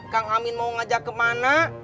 kang amin mau ngajak kemana